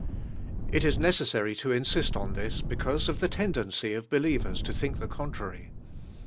It is necessary to insist on this because of the tendency of beiievers to think the contrary.